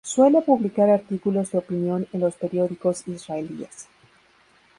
Suele publicar artículos de opinión en los periódicos israelíes.